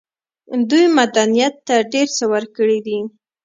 دوی مدنيت ته ډېر څه ورکړي دي.